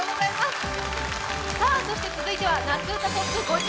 そして続いては夏うたトップ５０。